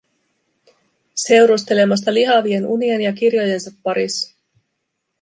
Seurustelemasta lihavien unien ja kirjojensa parissa.